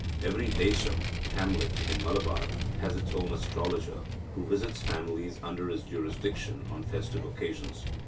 Every desam (hamlet) in Malabar has its own astrologer, who visits families under his jurisdiction on festive occasions (see p.